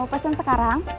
mau pesen sekarang